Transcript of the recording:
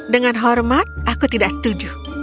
dengan hormat aku tidak setuju